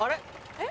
えっ？